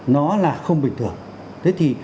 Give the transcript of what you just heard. nó là không bình thường thế thì